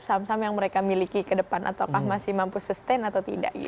saham saham yang mereka miliki ke depan ataukah masih mampu sustain atau tidak gitu